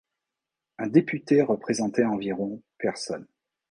Un député représentait environ personnes.